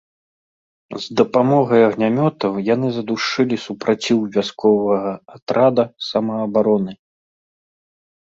З дапамогай агнямётаў яны задушылі супраціў вясковага атрада самаабароны.